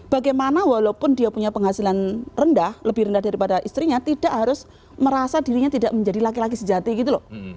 bagaimana walaupun dia punya penghasilan rendah lebih rendah daripada istrinya tidak harus merasa dirinya tidak menjadi laki laki sejati gitu loh